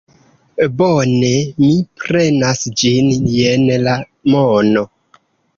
Bone, mi prenas ĝin; jen la mono.